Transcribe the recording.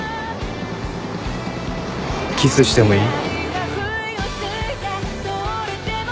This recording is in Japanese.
キスしてもいい？